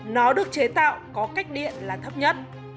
nó được chế tạo có cách điện là thấp nhất